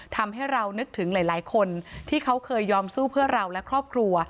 ทำให้เรานึกถึงหลายคนที่เขาเคยยอมสู้เพื่อเราและครอบครัว